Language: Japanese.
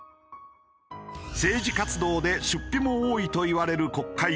政治活動で出費も多いといわれる国会議員。